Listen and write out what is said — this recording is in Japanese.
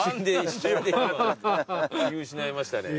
気失いましたね。